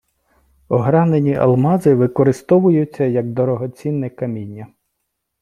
Огранені алмази використовується як дорогоцінне каміння